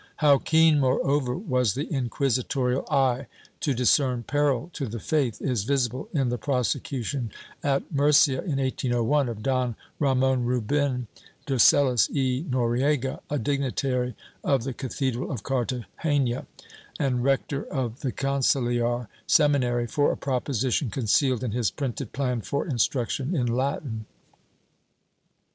How keen, moreover, was the inquisitorial eye to discern peril to the faith, is visible in the prosecution at Murcia, in 1801, of Don Ramon Rubin de Cehs y Noriega, a dignitary of the cathedral of Cartagena and rector of the conciliar seminary, for a proposition concealed in his printed plan for instruction in Latin.